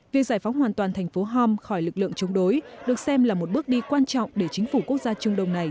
việc giải phóng hoàn toàn thành phố hom khỏi lực lượng chống đối được xem là một bước đi quan trọng để chính phủ quốc gia trung đông này